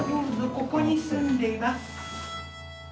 ここに住んでいます。